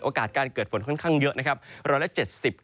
การเกิดฝนค่อนข้างเยอะนะครับ